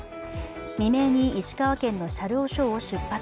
未明に石川県の車両所を出発。